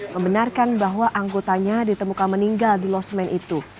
membenarkan bahwa anggotanya ditemukan meninggal di losmen itu